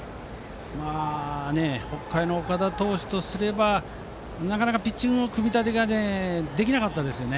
北海の岡田投手とすればなかなかピッチングの組み立てができなかったですね。